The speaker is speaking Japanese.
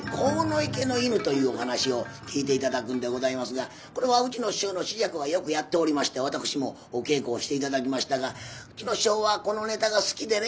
「鴻池の犬」というお噺を聴いて頂くんでございますがこれはうちの師匠の枝雀がよくやっておりまして私もお稽古をして頂きましたがうちの師匠はこのネタが好きでね。